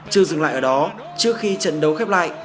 chưa dừng lại ở đó trước khi trận đấu khép lại